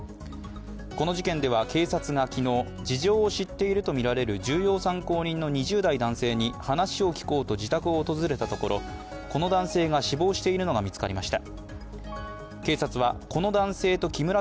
この事件では、警察が昨日事情を知っているとみられる重要参考人の２０代男性に話を聞こうと自宅を訪れたところこの男性が死亡しているのが見つかりました。